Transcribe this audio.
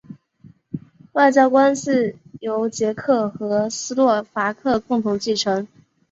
外交关系由捷克和斯洛伐克共同继承。